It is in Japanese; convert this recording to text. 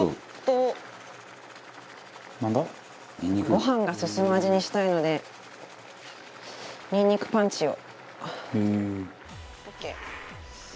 ご飯が進む味にしたいのでにんにくパンチを。